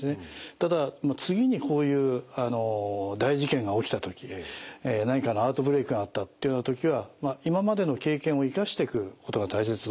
ただ次にこういう大事件が起きた時何かのアウトブレークがあったっていうような時は今までの経験を生かしていくことが大切だと。